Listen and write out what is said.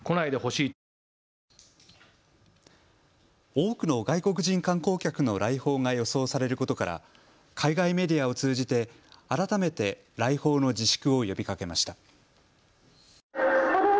多くの外国人観光客の来訪が予想されることから海外メディアを通じて改めて来訪の自粛を呼びかけました。